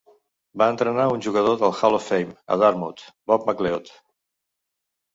Va entrenar a un jugador de Hall of Fame a Dartmouth, Bob MacLeod.